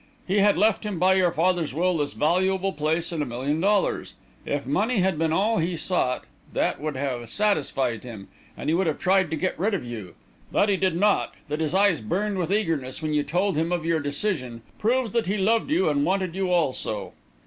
He had left him by your father's will this valuable place and a million dollars. If money had been all he sought, that would have satisfied him, and he would have tried to get rid of you. That he did not that his eyes burned with eagerness when you told him of your decision proves that he loved you and wanted you also."